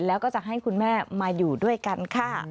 แล้วก็จะให้คุณแม่มาอยู่ด้วยกันค่ะ